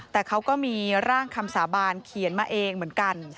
แต่เขาก็มีร่างคำสาบานเขียนมาเองเหมือนกัน